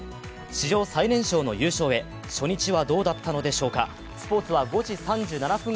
史上最年少の優勝へ、初日はどうだったのでしょうか。